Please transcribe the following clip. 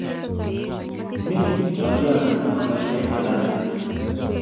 mi ngalyonnamache kengalale